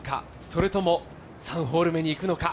それとも３ホール目にいくのか。